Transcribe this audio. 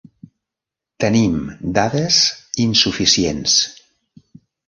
Tenim dades insuficients.